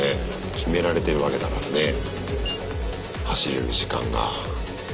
決められてるわけだからね走れる時間が。